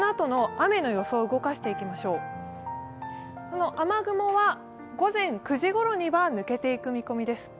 雨雲は午前９時ごろには抜けていく見込みです。